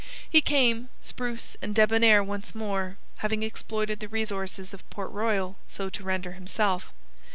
He came, spruce and debonair once more, having exploited the resources of Port Royal so to render himself.